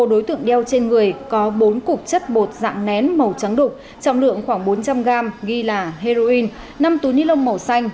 đối tượng đeo trên người có bốn cục chất bột dạng nén màu trắng đục trọng lượng khoảng bốn trăm linh gram ghi là heroin năm túi ni lông màu xanh